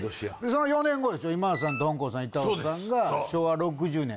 その４年後でしょ今田さんとほんこんさん板尾さんが昭和６０年。